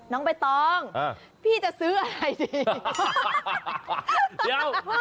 น้องไปตองพี่จะซื้ออะไรดี